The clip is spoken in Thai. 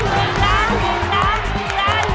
หนึ่งล้านหนึ่งล้านหนึ่งล้าน